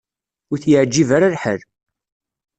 Ur t-yeɛjib ara lḥal.